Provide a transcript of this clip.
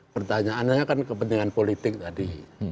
pertanyaannya kan kepentingan politik tadi